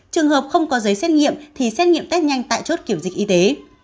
trường hợp không có giấy xét nghiệm thì xét nghiệm test nhanh tại chốt kiểm dịch y tế